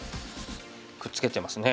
くっつけてますね。